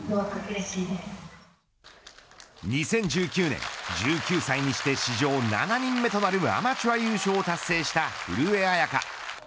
２０１９年１９歳にして史上７人目となるアマチュア優勝を達成した古江彩佳。